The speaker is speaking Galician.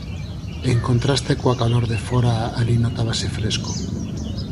En contraste coa calor de fóra alí notábase fresco.